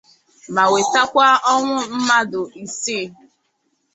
ma wètakwa ọnwụ mmadụ isii